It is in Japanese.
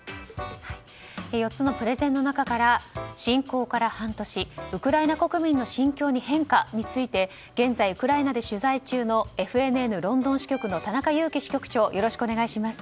４つのプレゼンの中から侵攻から半年、ウクライナ国民の心境に変化について現在、ウクライナで取材中のＦＮＮロンドン支局の田中支局長よろしくお願いします。